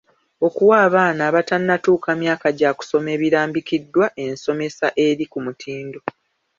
Okuwa abaana abatannatuuka myaka gya kusoma ebirambikiddwa ensomesa eri ku mutindo.